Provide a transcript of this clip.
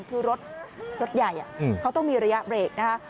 คือรถใหญ่เขาต้องมีระยะเบรกนะคะ